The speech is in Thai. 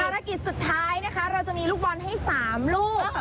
ภารกิจสุดท้ายนะคะเราจะมีลูกบอลให้๓ลูก